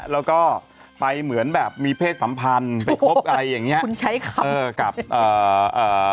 แล้วก็ไปเหมือนแบบมีเพศสัมพันธ์ไปคบอะไรอย่างเงี้คุณใช้คำเออกับเอ่อเอ่อ